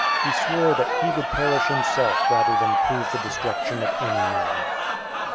He swore "that he would perish himself, rather than prove the destruction of any man."